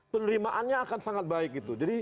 penerimaannya akan sangat baik gitu jadi